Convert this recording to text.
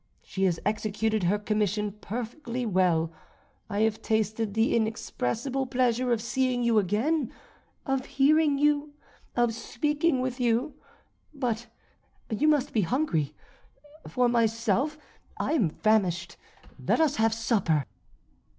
She has executed her commission perfectly well; I have tasted the inexpressible pleasure of seeing you again, of hearing you, of speaking with you. But you must be hungry, for myself, I am famished; let us have supper."